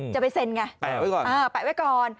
จะไปเซ็นไงแปะไว้ก่อนแปะไว้ก่อน